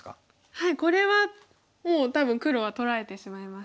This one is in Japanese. はいこれはもう多分黒は取られてしまいました。